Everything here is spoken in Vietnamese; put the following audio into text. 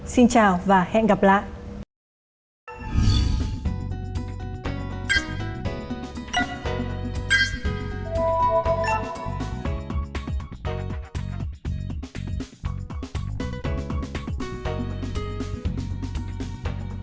xin chào và hẹn gặp lại